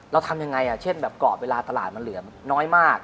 เราทำยังไงเช่นแบบกรอบเวลาตลาดมันเหลือน้อยมาก